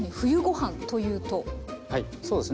はいそうですね。